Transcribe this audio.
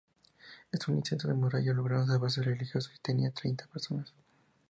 En un lienzo de muralla lograron salvarse un religioso y unas treinta personas.